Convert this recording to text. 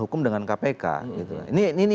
hukum dengan kpk ini